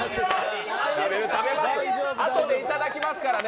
あとでいただきますからね。